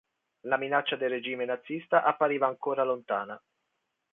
La minaccia del regime nazista appariva ancora lontana.